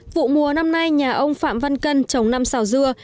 vụ mùa năm nay nhà ông phạm văn cân trồng năm xào dưa